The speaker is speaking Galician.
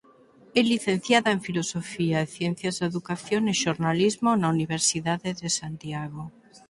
É licenciada en Filosofía e Ciencias da Educación e Xornalismo na Universidade de Santiago.